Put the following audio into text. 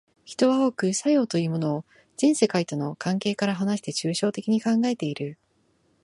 人は多く作用というものを全世界との関係から離して抽象的に考えている。